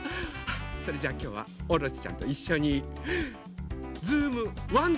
それじゃあきょうはオロチちゃんといっしょに「ズームワン」ではじめましょう。